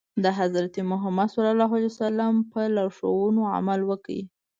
د حضرت محمد ص په لارښوونو عمل وکړي.